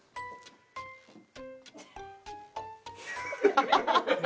ハハハハ！